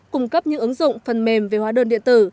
cung cấp những ứng dụng phần mềm về hóa đơn điện tử